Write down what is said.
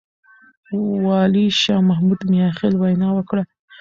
والي شاه محمود مياخيل وينا وکړه.